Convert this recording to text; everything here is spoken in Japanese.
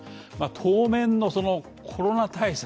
当面のコロナ対策